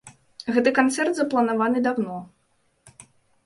Гэты канцэрт запланаваны даўно.